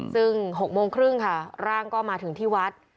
ซึ่ง๖โมงครึ่งค่ะร่างก็มาถึงที่วัด